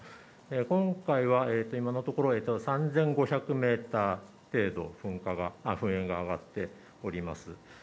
今回は今のところ３５００メートル程度、噴煙が上がっております。